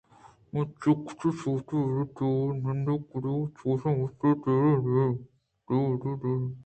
آچینکس ساعت بے ترٛک ءُتوار نندیت ءُناگتءَ چوش مستیں لیڑہ ءَ باہند کنت ءُدیمءِ مردم ءِ ترس ءَ پاد لرز اَنت